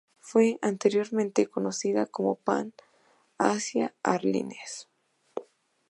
Fue anteriormente conocida como Pan Asia Airlines.